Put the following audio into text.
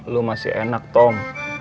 lo masih enak tom